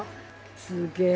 すげえ。